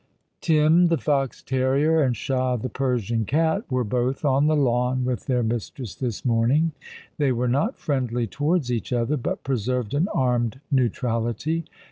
Tin^, the fox terrier, and Shah, the Persian cat, were both on the lawn with their mistress this morning. Tl' 3y were not friendly towards each other, but preserved an armed neutrality.